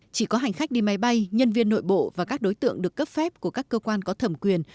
chỉ có hành khách đi máy bay nhân viên nội bộ và các đối tượng được cấp phép của các cơ quan có thẩm quyền